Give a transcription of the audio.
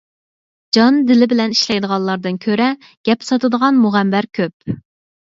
جان - دىلى بىلەن ئىشلەيدىغانلاردىن كۆرە، گەپ ساتىدىغان مۇغەمبەر كۆپ.